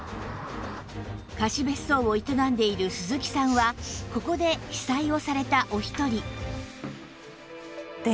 貸別荘を営んでいる鈴木さんはここで被災をされたお一人